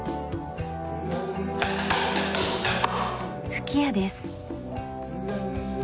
吹き矢です。